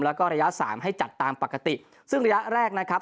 แล้วก็ระยะสามให้จัดตามปกติซึ่งระยะแรกนะครับ